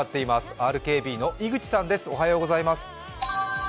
ＲＫＢの井口さんです。